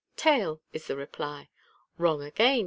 Tail,'* is the reply. " Wrong again